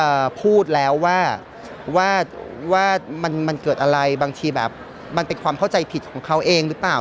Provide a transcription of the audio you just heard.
พูดแล้วว่าว่ามันมันเกิดอะไรบางทีแบบมันเป็นความเข้าใจผิดของเขาเองหรือเปล่า